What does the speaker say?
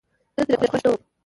زه ترې خوښ نه ووم